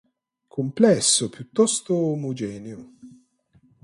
Complesso piuttosto omogeneo.